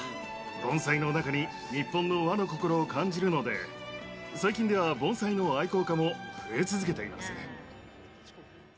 盆栽の中に日本の和の心を感じるので、最近では盆栽の愛好家も増え続けています。